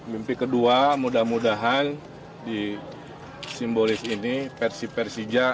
mimpi kedua mudah mudahan di simbolis ini persib persija